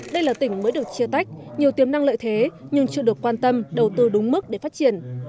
đây là tỉnh mới được chia tách nhiều tiềm năng lợi thế nhưng chưa được quan tâm đầu tư đúng mức để phát triển